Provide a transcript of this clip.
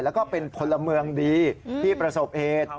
แล้วก็เป็นพลเมืองดีที่ประสบเหตุ